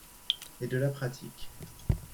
Et de la pratique